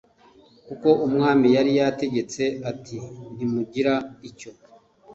kuko umwami yari yategetse ati Ntimugira icyo